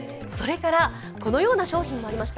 このような商品もありました。